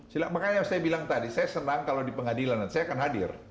silahkan makanya saya bilang tadi saya senang kalau di pengadilan dan saya akan hadir